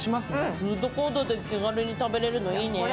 フードコートで気軽に食べれるの、いいね。